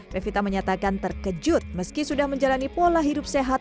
pevita menyatakan terkejut meski sudah menjalani pola hidup sehat